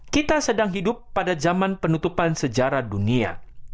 kita sedang hidup pada zaman penutupan sejarah dunia